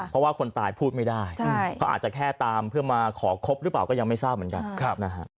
เพราะอาจจะแค่ตามเพื่อมาขอครบหรือเปล่าก็ยังไม่ทราบเหมือนกันนะครับ